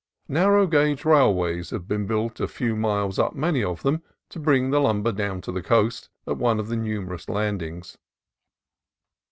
Narrow gauge railways have been built a few miles up many of them, to bring the lumber down to the coast at one of the numerous landings.